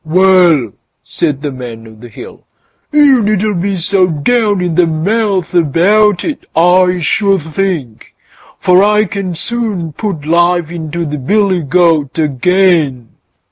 "Well!" said the Man o' the Hill, "you needn't be so down in the mouth about it, I should think, for I can soon put life into the billy goat again."